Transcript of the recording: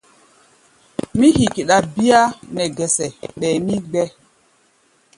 Mí hikiɗa bíá nɛ gɛsɛ, ɓɛɛ mí gbɛ́.